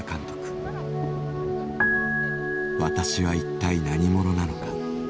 「私は一体何者なのか」。